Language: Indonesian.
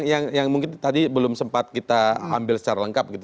yang mungkin tadi belum sempat kita ambil secara lengkap gitu